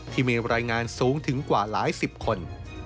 ที่มีรายงานสูงถึงกว่าหลายสิบคน